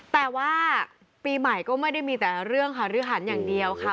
แต่ว่าปีใหม่ก็ไม่ได้มีแต่เรื่องหารือหันอย่างเดียวค่ะ